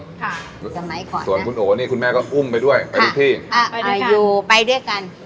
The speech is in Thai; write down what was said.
สมัยก่อนส่วนคุณโอนี่คุณแม่ก็อุ้มไปด้วยไปทุกที่อ่าไปด้วยอยู่ไปด้วยกัน